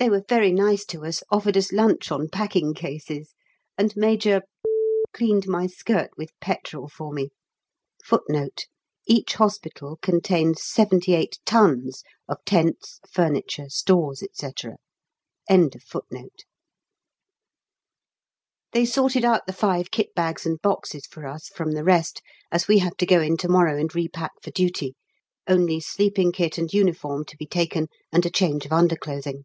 They were very nice to us, offered us lunch on packing cases, and Major cleaned my skirt with petrol for me! [Footnote 1: Each hospital contains 78 tons of tents, furniture, stores, &c.] They sorted out the five kit bags and boxes for us from the rest, as we have to go in to morrow and repack for duty, only sleeping kit and uniform to be taken, and a change of underclothing.